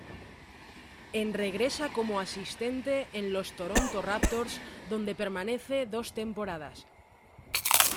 En regresa como asistente en los Toronto Raptors, donde permanece dos temporadas.